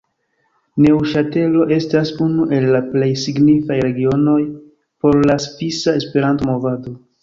Neŭŝatelo estas unu el la plej signifaj regionoj por la svisa Esperanto-movado.